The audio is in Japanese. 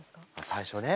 最初ね。